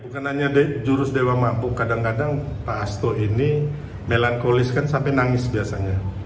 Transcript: kadang kadang pak hasto ini melankolis kan sampai nangis biasanya